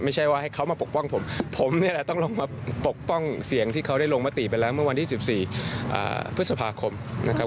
ไม่ใช่ว่าให้เขามาปกป้องผมผมเนี่ยแหละต้องลงมาปกป้องเสียงที่เขาได้ลงมติไปแล้วเมื่อวันที่๑๔พฤษภาคมนะครับ